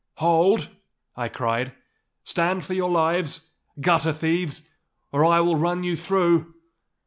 'Hold!' I cried. 'Stand for your lives, gutter thieves, or I will run you through!